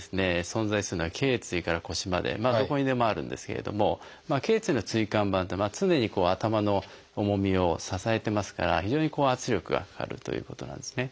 存在するのは頚椎から腰までどこにでもあるんですけれども頚椎の椎間板って常に頭の重みを支えてますから非常に圧力がかかるということなんですね。